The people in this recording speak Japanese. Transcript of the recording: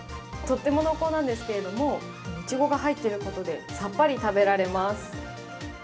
とっても濃厚なんですけれども、いちごが入っていることでさっぱり食べられます。